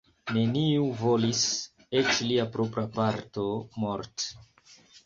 Neniu volis; eĉ lia propra patro Mort.